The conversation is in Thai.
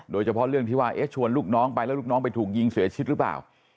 โดยเฉพาะเรื่องที่ว่าชวนลูกน้องไปแล้วลูกน้องไปถูกยิงเสียชีวิตหรือเปล่า